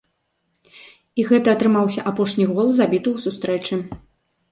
І гэта атрымаўся апошні гол, забіты ў сустрэчы.